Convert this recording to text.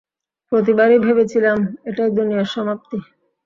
প্রতিবারই ভেবেছিলাম, এটাই দুনিয়ার সমাপ্তি।